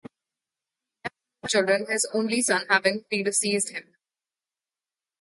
He left no children, his only son having predeceased him.